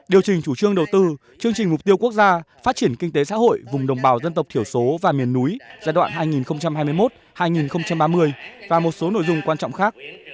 điều trình chủ trương đầu tư chương trình mục tiêu quốc gia phát triển kinh tế xã hội vùng đồng bào dân tộc thiểu số và miền núi giai đoạn hai nghìn hai mươi một hai nghìn ba mươi và một số nội dung quan trọng khác